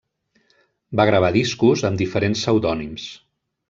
Va gravar discos amb diferents pseudònims.